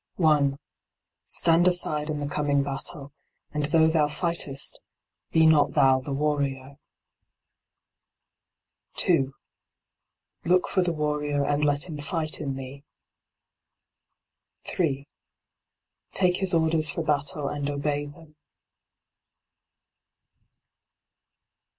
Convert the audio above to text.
I. Stand aside in the coming battle, and though thou fightest be not thou the warrior. d by Google LIGHT ON THE PATH 15 i. Look for the warrior and let him fight in thee. 3. Take his orders for battle and obey them.